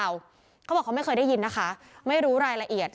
เขาบอกเขาไม่เคยได้ยินนะคะไม่รู้รายละเอียด